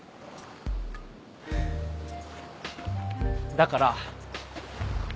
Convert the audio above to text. だから。